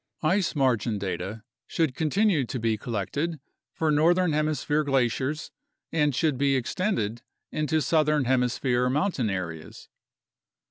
Ice margin data should continue to be collected for northern hem isphere glaciers and should be extended into southern hemisphere mountain areas.